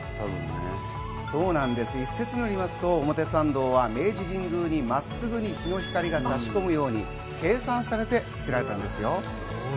一説によりますと、表参道は明治神宮にまっすぐに日の光が差し込むように計算されて作られたんですよ。